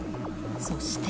そして。